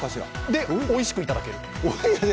で、おいしくいただける。